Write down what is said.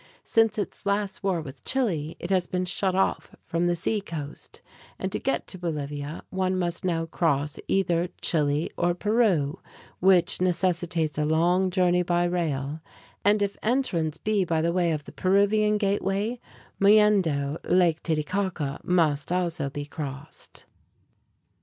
Since its last war with Chile, it has been shut off from the sea coast; and to get to Bolivia one must now cross either Chile or Peru, which necessitates a long journey by rail; and if the entrance be by way of the Peruvian gateway, Mollendo, Lake Titicaca must also be crossed.